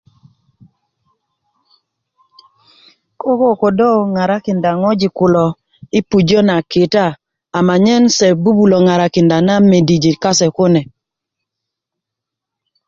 koko kodö ŋarakinda ŋojik kulo yi pujö na kita amanyen se bbubulö ŋarakinda na midijin kase kune